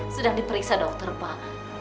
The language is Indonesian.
sudah diperiksa dokter pak